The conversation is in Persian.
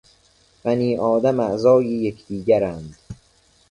بنی آدم اعضای یکدیگرند...